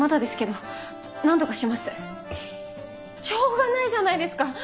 しょうがないじゃないですか！